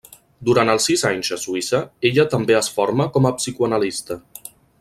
Durant els sis anys a Suïssa ella també es forma com a psicoanalista.